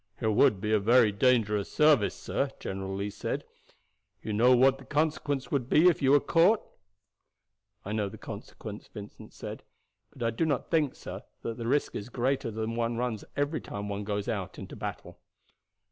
"It would be a very dangerous service, sir," General Lee said. "You know what the consequence would be if you were caught?" "I know the consequence," Vincent said; "but I do not think, sir, that the risk is greater than one runs every time one goes into battle."